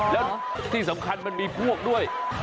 แล้วที่สำคัญมันมีพวกด้วย